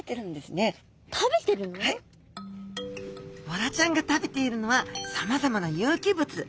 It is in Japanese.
ボラちゃんが食べているのはさまざまな有機物。